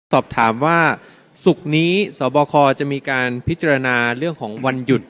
สอบถามว่าศุกร์นี้สบคจะมีการพิจารณาเรื่องของวันหยุด